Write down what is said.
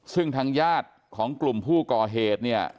ซึ่งทางญาติของกลุ่มผู้ก่อเหตุเนี่ย